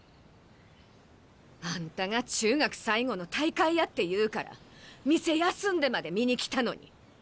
あんたが中学最後の大会やって言うから店休んでまで見に来たのに。